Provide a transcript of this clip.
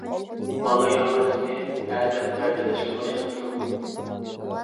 بالا ياغاچنى ھەدەپ رەندىلەشكە باشلاپتۇ.